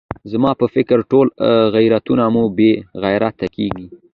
زما په فکر ټول غیرتونه مو بې غیرته کېږي.